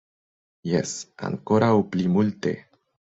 Jes, ankoraŭ pli multe.